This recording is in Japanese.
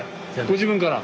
ご自分から？